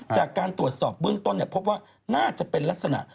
จากการตรวจสอบเบื้องต้นพบว่าน่าจะเป็นลักษณะ